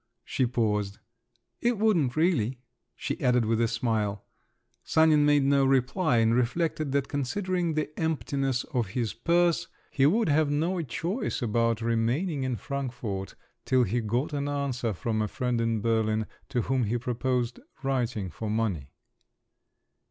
She paused. "It wouldn't, really," she added with a smile. Sanin made no reply, and reflected that considering the emptiness of his purse, he would have no choice about remaining in Frankfort till he got an answer from a friend in Berlin, to whom he proposed writing for money.